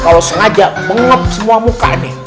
kalau sengaja mengep semua muka nih